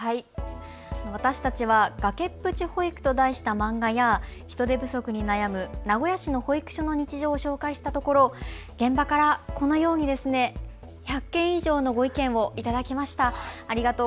私たちは崖っぷち保育と題した漫画や人手不足に悩む名古屋市の保育所の日常を紹介したところ、現場からこのように１００件以上のご意見を頂きました。